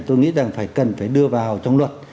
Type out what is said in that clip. tôi nghĩ rằng phải cần phải đưa vào trong luật